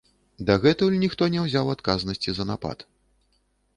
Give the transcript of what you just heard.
Дагэтуль ніхто не ўзяў адказнасці за напад.